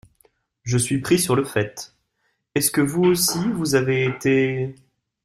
Je suis pris sur le fait. Est-ce que vous aussi vous avez été…